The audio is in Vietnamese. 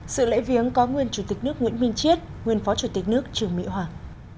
sự lễ viếng có nguyên chủ tịch nước nguyễn minh chiết nguyên phó chủ tịch nước trường mỹ hoàng